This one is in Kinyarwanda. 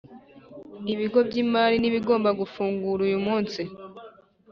Ibigo by imari ntibigomba gufungura uyu munsi